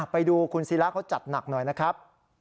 ไปดูคุณศิราเขาจัดหนักหน่อยนะครับ